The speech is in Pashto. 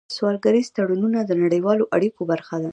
سوداګریز تړونونه د نړیوالو اړیکو برخه ده.